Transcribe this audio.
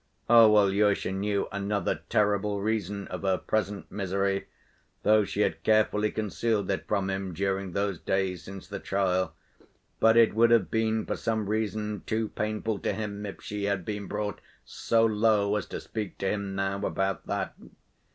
Oh, Alyosha knew another terrible reason of her present misery, though she had carefully concealed it from him during those days since the trial; but it would have been for some reason too painful to him if she had been brought so low as to speak to him now about that.